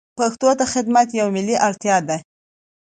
پښتو ته خدمت یوه ملي اړتیا ده.